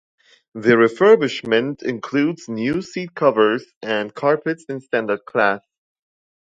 The refurbishment includes new seat covers and carpets in standard class.